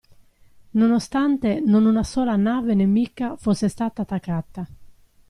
Nonostante non una sola nave nemica fosse stata attaccata.